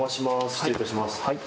失礼いたします。